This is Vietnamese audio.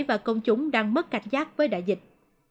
và công chúng đang mất cảnh giác với đại dịch